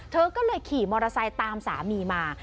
เธอก็เลยขี่มอเตอร์ไซค์ตามสามีมา